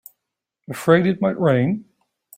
Afraid it might rain?